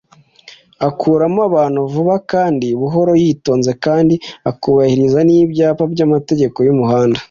akuramo abantu vuba kandi buhoro yitonze kandi akubahiriza n’ibyapa by’amategeko y’umuhanda